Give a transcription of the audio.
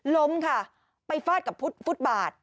ล้มค่ะไปฟาดกับฟุตบาท